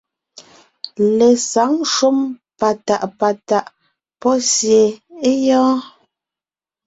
Lesǎŋ shúm patàʼ patàʼ pɔ́ sie é gyɔ́ɔn.